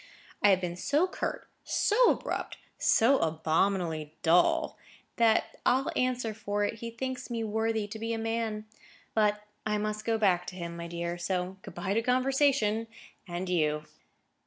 I have been so curt, so abrupt, so abominably dull, that I'll answer for it he thinks me worthy to be a man. But I must go back to him, my dear, so good bye to conversation and you."